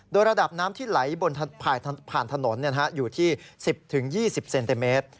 โดยระดับน้ำที่ไหลบนผ่านถนนอยู่ที่๑๐๒๐เซนติเมตร